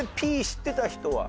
知ってた人は？